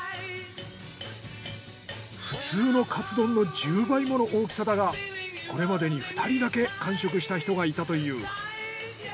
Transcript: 普通のカツ丼の１０倍もの大きさだがこれまでに２人だけ完食した人がいたという。